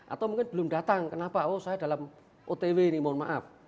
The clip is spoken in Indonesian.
atau mungkin belum datang kenapa oh saya dalam otw ini mohon maaf